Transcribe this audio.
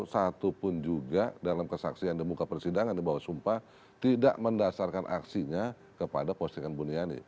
satupun juga dalam kesaksian di muka persidangan di bawah sumpah tidak mendasarkan aksinya kepada postingan buniani